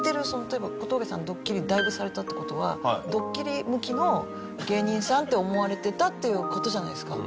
例えば小峠さんドッキリだいぶされたって事はドッキリ向きの芸人さんって思われてたっていう事じゃないですか。